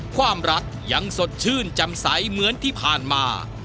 ความรักยังสดชื่นจำใสเหมือนที่ผ่านมา